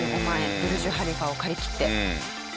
ブルジュ・ハリファを借り切って。